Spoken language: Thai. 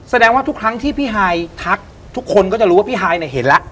แสดงว่าทุกครั้งที่พี่ฮายทักทุกคนก็จะรู้ว่าพี่ฮายเนี่ยเห็นแล้ว